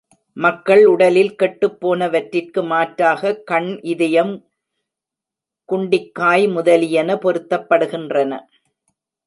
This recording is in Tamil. மக்கள் உடலில் கெட்டுப் போனவற்றிற்கு மாற்றாக, கண், இதயம், குண்டிக்காய் முதலியன பொருத்தப்படுகின்றன.